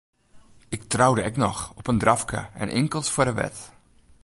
Ik troude ek noch, op in drafke en inkeld foar de wet.